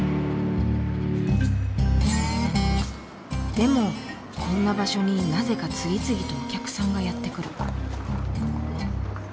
でもこんな場所になぜか次々とお客さんがやって来る。